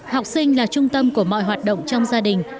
học sinh là trung tâm của mọi hoạt động trong gia đình